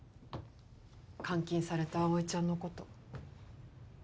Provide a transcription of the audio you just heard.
監禁された葵ちゃんの事。